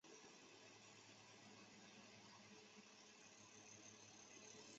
翡翠湾是位于美国加利福尼亚州埃尔多拉多县的一个非建制地区。